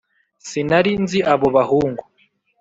sinari nzi abo bahungu.